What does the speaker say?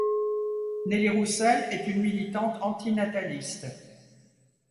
Nelly Roussel est une militante antinataliste.